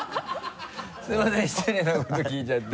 すみません失礼なこと聞いちゃって。